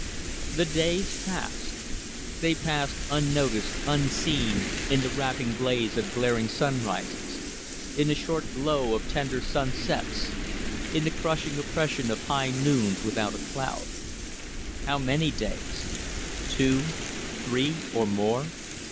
The days passed. They passed unnoticed, unseen, in the rapid blaze of glaring sunrises, in the short glow of tender sunsets, in the crushing oppression of high noons without a cloud. How many days? Two three or more?